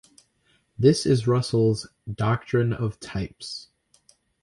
This is Russell's "doctrine of types".